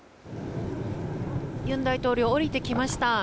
尹大統領降りてきました。